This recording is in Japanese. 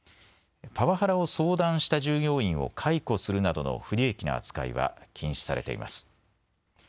パワハラを相談した従業員を解雇するなどの不利益な扱いは禁止されています。